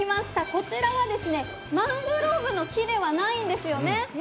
こちらはマングローブの木ではないんですよね